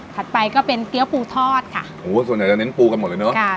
ไปก็เป็นเกี้ยวปูทอดค่ะโหส่วนใหญ่จะเน้นปูกันหมดเลยเนอะค่ะ